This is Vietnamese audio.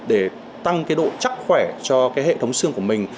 để tăng cái độ chắc khỏe cho cái hệ thống xương của mình